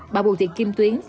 bà bùi thị kim tuyến